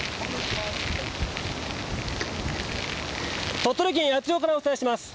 鳥取県八頭町からお伝えします。